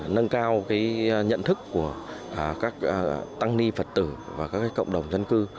nâng cao nhận thức của các tăng ni phật tử và các cộng đồng dân cư